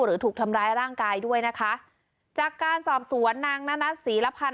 หรือถูกทำร้ายร่างกายด้วยนะคะจากการสอบสวนนางนานัทศรีละพันธ